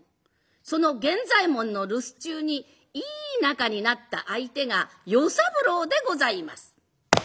その源左衛門の留守中にいい仲になった相手が与三郎でございます。